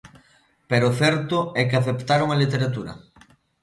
Pero o certo é que aceptaron a literatura.